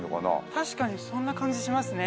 確かにそんな感じしますね